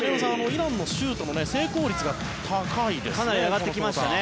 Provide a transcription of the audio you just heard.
イランのシュートも成功率が高いですね。